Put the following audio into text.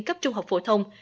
cấp trung học phổ thông